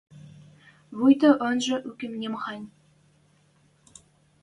Вуйта йӧнжӹ уке нимахань.